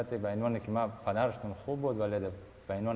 tetapi karena keadaan saya seperti anak saya adalah berpengalaman